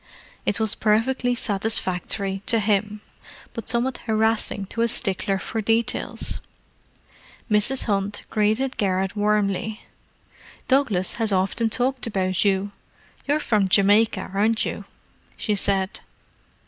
It was perfectly satisfactory to him, but somewhat harassing to a stickler for detail. Mrs. Hunt greeted Garrett warmly. "Douglas has often talked about you—you're from Jamaica, aren't you?" she said.